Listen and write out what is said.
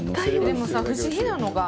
でもさ不思議なのが。